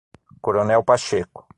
Coronel Pacheco